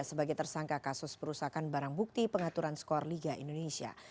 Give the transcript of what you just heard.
sebagai tersangka kasus perusahaan barang bukti pengaturan skor liga indonesia